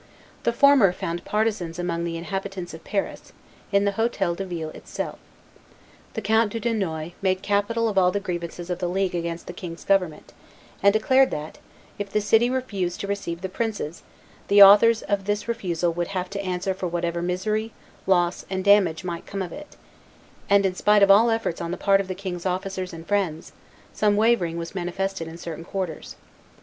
The former, found partisans amongst the inhabitants of Paris, in the Hotel de Ville itself. The Count de Dunois made capital of all the grievances of the League against the king's government, and declared that, if the city refused to receive the princes, the authors of this refusal would have to answer for whatever misery, loss, and damage might come of it; and, in spite of all efforts on the part of the king's officers and friends, some wavering was manifested in certain quarters.